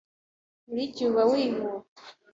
Buri gihe uba wihuta